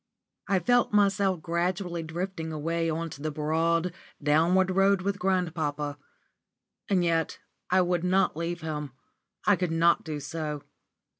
I felt myself gradually drifting away on to the broad, downward road with grandpapa. And yet I would not leave him I could not do so.